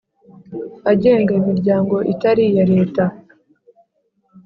agenga imiryango itari iya Leta